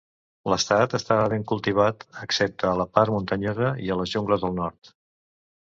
L'estat estava ben cultivat excepte a la part muntanyosa i a les jungles al nord.